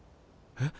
え？